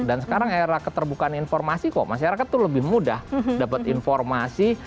dan sekarang era keterbukaan informasi kok masyarakat itu lebih mudah dapat informasi